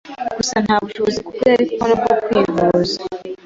gusa ngo nta bushobozi kubwe yari kubona bwo kwivuza